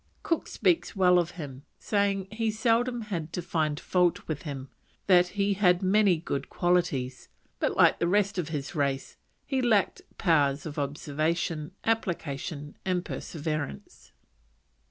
Cook speaks well of him, saying he seldom had to find fault with him, that he had many good qualities, but, like the rest of his race, he lacked powers of observation, application, and perseverance.